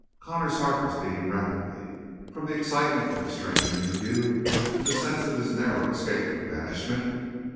Connor's heart was beating rapidly, from the excitement of the strange interview and the sense of his narrow escape from banishment.